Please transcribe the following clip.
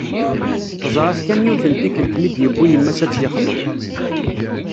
Teẓra-t kan yiwet n tikelt mi d-yiwi yemma-s ad tt-yexḍeb.